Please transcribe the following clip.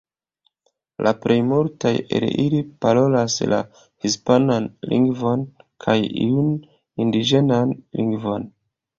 La plej multaj el ili parolas la hispanan lingvon kaj iun indiĝenan lingvon.